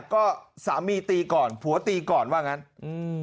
ก็สามีตีก่อนผัวตีก่อนว่างั้นอืม